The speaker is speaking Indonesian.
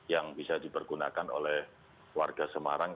yang bisa dipergunakan oleh warga semarang